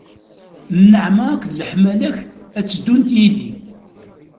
Nneɛma akked leḥmala-k ad tteddunt yid-i.